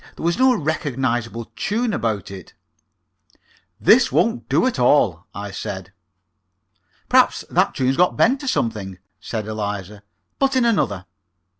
There was no recognizable tune about it. "This won't do at all," I said. "Perhaps that tune's got bent or something," said Eliza. "Put in another."